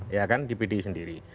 ya kan di pdi sendiri